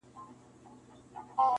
دا هلمند هلمند رودونه -